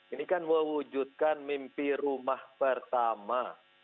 ini kan mewujudkan mimpi rumah pertama